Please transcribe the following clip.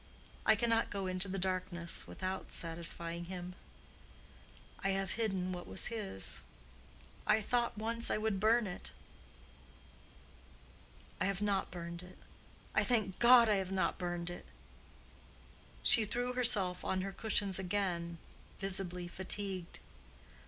I cannot go into the darkness without satisfying him. I have hidden what was his. I thought once I would burn it. I have not burned it. I thank God I have not burned it!" She threw herself on her cushions again, visibly fatigued.